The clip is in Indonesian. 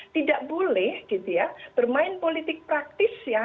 tidak boleh bermain politik praktis ya